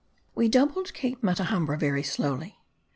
We doubled Cape Matahambre very slowly.